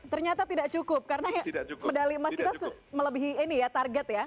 ternyata tidak cukup karena medali emas kita melebihi ini ya target ya